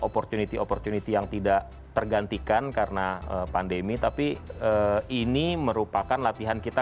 opportunity opportunity yang tidak tergantikan karena pandemi tapi ini merupakan latihan kita